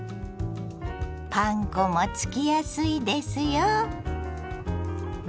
パン粉もつきやすいですよ。